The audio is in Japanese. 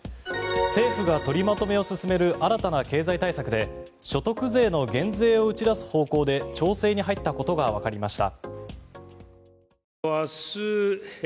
政府が取りまとめを進める新たな経済対策で所得税の減税を打ち出す方向で調整に入ったことがわかりました。